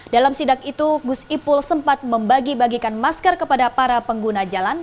dalam sidak itu gus ipul sempat membagi bagikan masker kepada para pengguna jalan